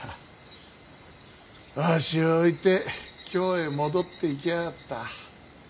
あわしを置いて京へ戻っていきやがった。